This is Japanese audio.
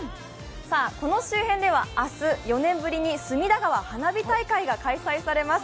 この周辺では明日、４年ぶりに隅田川花火大会が開催されます。